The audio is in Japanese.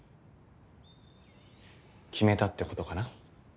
決めたって事かな？